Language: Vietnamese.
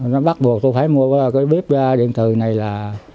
nó bắt buộc tôi phải mua cái bếp điện thời này là